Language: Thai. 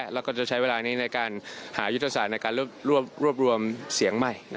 แล้วก็จะใช้เวลานี้ในการหายุทธศาสตร์ในการรวบรวมเสียงใหม่